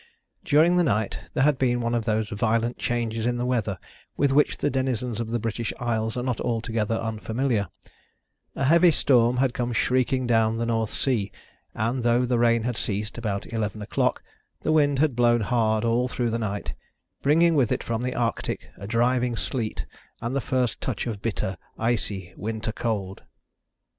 During the night there had been one of those violent changes in the weather with which the denizens of the British Isles are not altogether unfamiliar; a heavy storm had come shrieking down the North Sea, and though the rain had ceased about eleven o'clock the wind had blown hard all through the night, bringing with it from the Arctic a driving sleet and the first touch of bitter, icy, winter cold.